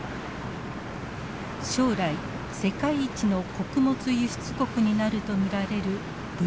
将来世界一の穀物輸出国になると見られるブラジル。